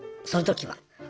その時は。